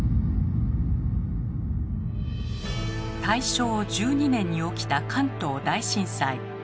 大正１２年に起きた関東大震災。